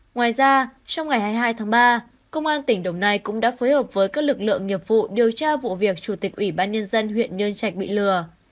ngoài ra trong ngày hai mươi hai tháng ba công an tỉnh đồng nai cũng đã phối hợp với các lực lượng nghiệp vụ điều tra vụ việc chủ tịch ủy ban nhân dân huyện nhơn trạch bị lừa